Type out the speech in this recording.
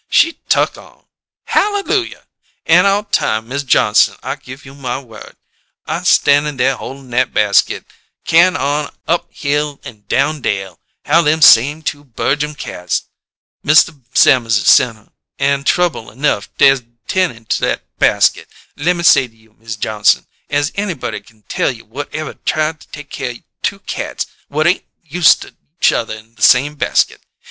She tuck on! Hallelujah! An' all time, Miz Johnson, I give you my word, I stannin' there holdin' nat basket, carryin' on up hill an' down dale how them the same two Berjum cats Mista Sammerses sen' her: an' trouble enough dess ten'in' to that basket, lemme say to you, Miz Johnson, as anybody kin tell you whutever tried to take care o' two cats whut ain't yoosta each other in the same basket.